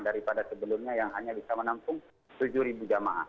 daripada sebelumnya yang hanya bisa menampung tujuh jamaah